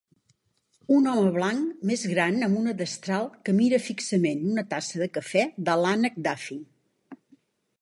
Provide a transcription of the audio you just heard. un home blanc més gran amb una destral que mira fixament una tassa de cafè de l'Ànec Daffy.